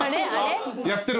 やってる。